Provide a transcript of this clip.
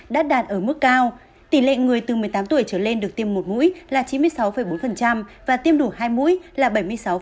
đã đạt ở mức cao tỷ lệ người từ một mươi tám tuổi trở lên được tiêm một mũi là chín mươi sáu bốn và tiêm đủ hai mũi là bảy mươi sáu